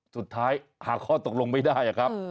สุดท้ายหาข้อตกลงไม่ได้ครับ